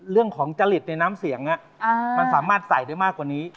เรื่องของจริตในน้ำเสียงมันสามารถใส่ได้มากกว่านี้